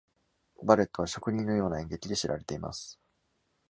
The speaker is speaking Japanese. バレットは職人のような演劇で知られています。